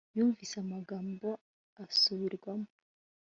Yumvise amagambo asubirwamo